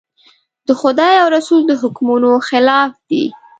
د خدای او رسول د حکمونو مخالف دي.